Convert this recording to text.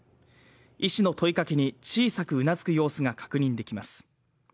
医師の問いかけに、小さくうなずく様子が確認できます。